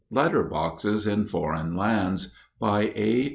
LETTER BOXES IN FOREIGN LANDS BY A.